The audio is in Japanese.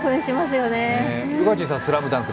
宇賀神さん「ＳＬＡＭＤＵＮＫ」